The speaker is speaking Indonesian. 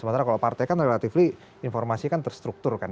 sementara kalau partai kan relatif informasi kan terstruktur kan